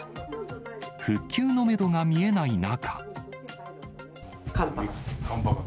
復旧のメドが見えない中。